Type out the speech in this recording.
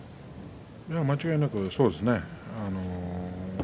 間違いなくそうです。